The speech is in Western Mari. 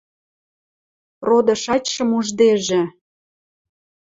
Роды-шачшым уждежӹ